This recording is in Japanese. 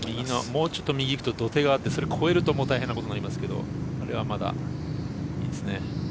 もうちょっと右に行くと土手があってそれ越えると大変なことになりますけどこれはまだいいですね。